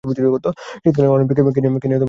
শীতকালীন অলিম্পিকে কেনিয়া কোন পদক জিততে পারেনি।